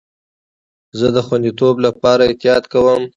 زه د خوندیتوب لپاره احتیاط کوم.